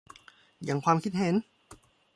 หยั่งความคิดเห็น